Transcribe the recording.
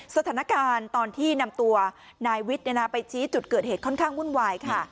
สถานการณ์ตอนที่นำตัวนายวิทย์ไปชี้จุดเกิดเหตุค่อนข้างวุ่นวายค่ะ